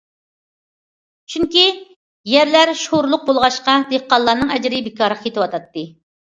چۈنكى يەرلەر شورلۇق بولغاچقا، دېھقانلارنىڭ ئەجرى بىكارغا كېتىۋاتاتتى.